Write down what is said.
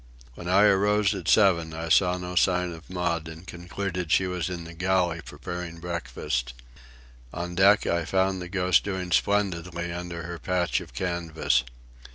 When I arose at seven I saw no sign of Maud and concluded she was in the galley preparing breakfast. On deck I found the Ghost doing splendidly under her patch of canvas.